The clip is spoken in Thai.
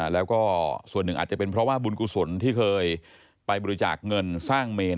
แล้วก็ส่วนหนึ่งอาจจะเป็นเพราะว่าบุญกุศลที่เคยไปบริจาคเงินสร้างเมน